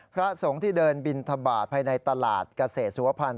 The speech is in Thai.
พระสงฆ์ที่เดินบินทบาทภายในตลาดเกษตรสุวพันธ